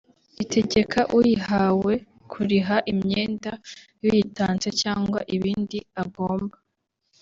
itegeka uyihawe kuriha imyenda y’uyitanze cyangwa ibindi agomba